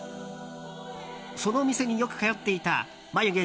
その店によく通っていた眉毛